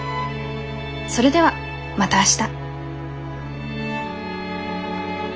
それではまた明日。